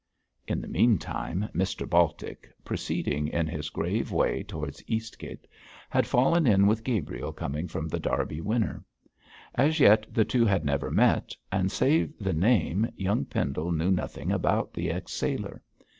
In the meantime, Mr Baltic, proceeding in his grave way towards Eastgate, had fallen in with Gabriel coming from The Derby Winner. As yet the two had never met, and save the name, young Pendle knew nothing about the ex sailor.